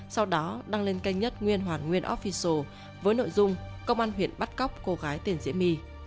sau đó đăng lên kênh nhất nguyên hoàng nguyên offiso với nội dung công an huyện bắt cóc cô gái tiền diễm my